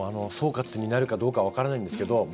総括になるかどうか分からないんですけど